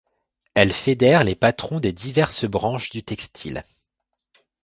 Elle fédère les patrons des diverses branches du textile.